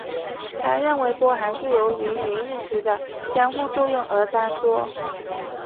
他认为波函数由于与意识的相互作用而坍缩。